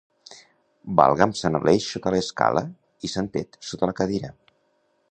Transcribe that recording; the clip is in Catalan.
Valga'm sant Aleix sota l'escala i sant Tet sota la cadira.